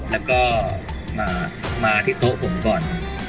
แล้วก็มาที่โต๊ะผมก่อน